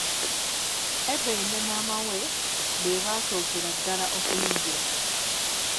Ebei ne maama we be baasookera ddala okuyingira.